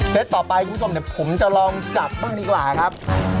เซตต่อไปคุณผู้ชมเดี่ยวผมจะลองจัดให้ดีกว่าก่อนครับ